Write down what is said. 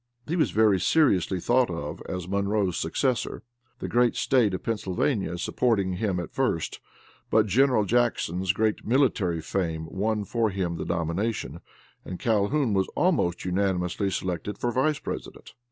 He was very seriously thought of as Monroe's successor, the great State of Pennsylvania supporting him at first, but General Jackson's great military fame won for him the nomination, and Calhoun was almost unanimously selected for vice president.